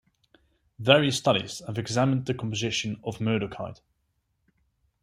Various studies have examined the composition of murdochite.